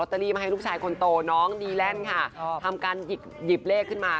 สี่มาแรงสี่มาแยะ